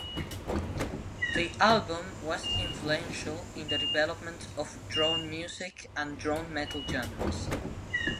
The album was influential in the development of drone music and drone metal genres.